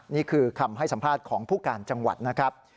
นี่คือคำให้สัมภาษณ์ของผู้การจังหวัดนะครับ